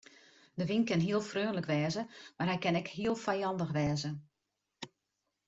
De wyn kin heel freonlik wêze mar hy kin ek heel fijannich wêze.